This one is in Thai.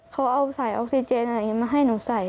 เขาเอาสายออกซิเจนอะไรอย่างนี้มาให้หนูใส่